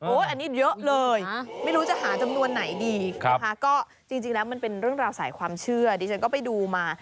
อันนี้เยอะเลยไม่รู้จะหาจำนวนไหนดีนะคะก็จริงแล้วมันเป็นเรื่องราวสายความเชื่อดิฉันก็ไปดูมา